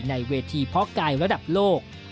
ในเวทีเพาะกายระดับโลก